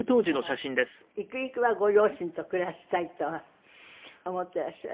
だからゆくゆくはご両親と暮らしたいとは思っていらっしゃる？